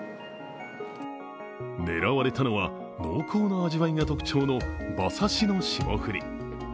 狙われたのは、濃厚な味わいが特徴の馬刺しの霜降り。